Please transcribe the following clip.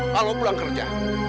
kalau pulang kerja